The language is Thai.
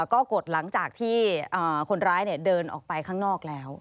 ก็กดหลังจากที่คนร้ายเดินออกไปข้างนอกแล้ว